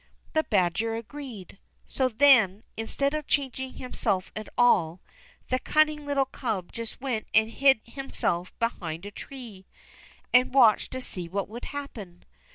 The badger agreed. So then, instead of changing himself at all, the cunning little Cub just went and hid himself behind a tree, and watched to see what would happen.